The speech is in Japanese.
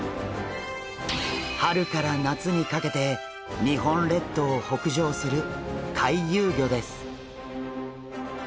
春から夏にかけて日本列島を北上する回遊魚です。